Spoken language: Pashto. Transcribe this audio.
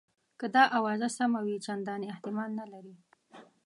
که دا آوازه سمه وي چنداني احتمال نه لري.